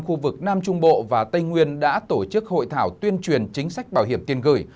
khu vực nam trung bộ và tây nguyên đã tổ chức hội thảo tuyên truyền chính sách bảo hiểm tiền gửi